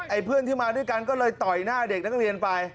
เพื่อนที่มาด้วยกันก็เลยต่อยหน้าเด็กนักเรียนไป